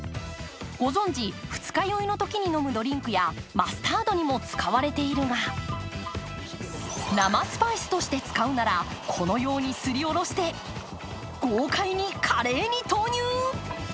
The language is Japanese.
ご存じ二日酔いのときに飲むドリンクやマスタードにも使われているのが、生スパイスとして使うならこのようにすりおろして豪快にカレーに投入！